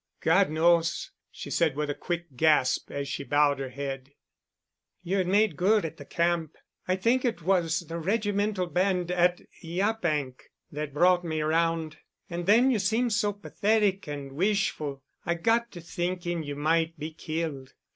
"God knows," she said with a quick gasp as she bowed her head, "you had made good at the Camp. I think it was the regimental band at Yaphank that brought me around. And then you seemed so pathetic and wishful, I got to thinking you might be killed.